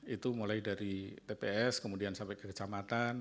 itu mulai dari tps kemudian sampai ke kecamatan